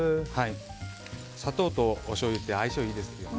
砂糖とおしょうゆって相性がいいですよね。